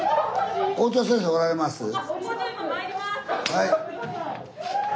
はい。